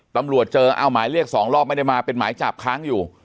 ตำรวจเจอเอาหมายเรียก๒รอบไม่ได้มาเป็นหมายจับค้างอยู่